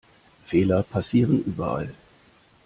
Fehler passieren überall.